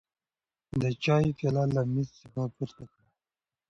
د چای پیاله له مېز څخه پورته کړه.